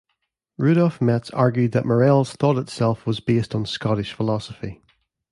Rudolf Metz argued that Morell's thought itself was based on Scottish philosophy.